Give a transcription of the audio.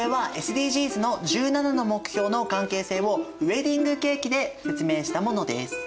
これはＳＤＧｓの１７の目標の関係性をウエディングケーキで説明したものです。